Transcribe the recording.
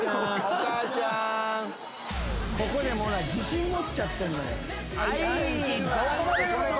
ここでもうな自信持っちゃってんのよ。